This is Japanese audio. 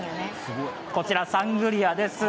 こちらサングリアです。